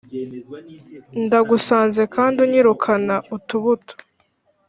ndagusaze kandi unyirukana utubuto,